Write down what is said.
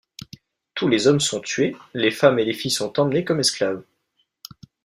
Tous les hommes sont tués, les femmes et les filles sont emmenées comme esclaves.